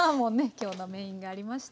今日のメインがありました。